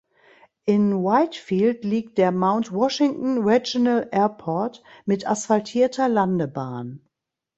In Whitefield liegt der Mount Washington Regional Airport mit asphaltierter Landebahn.